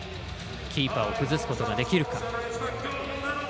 キーパーを崩すことができるか。